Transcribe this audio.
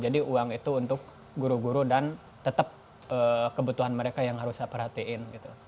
jadi uang itu untuk guru guru dan tetap kebutuhan mereka yang harus saya perhatiin gitu